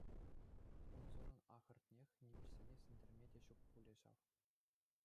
Унсӑрӑн, ахӑртнех, нимӗҫсене ҫӗнтерме те ҫук пулӗ ҫав.